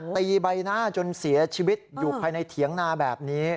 ตีใบหน้าจนเสียชีวิตอยู่ภายในเถียงนาแบบนี้